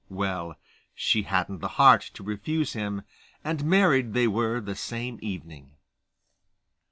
Well, she hadn't the heart to refuse him, and married they were the same evening.